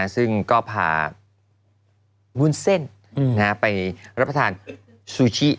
ซึ่งก็พาวุ้นเส้นไปรับประทานซูชิ